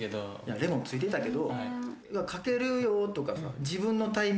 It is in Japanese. レモンついてたけど。